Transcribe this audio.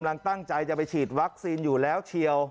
กำลังตั้งใจจะไปฉีดวัคซีนอยู่แล้วเชียว